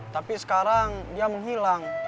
tapi sekarang dia menghilang